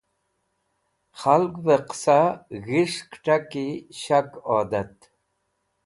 Khalgve Qasa G̃his̃h kẽtaki Shak Odat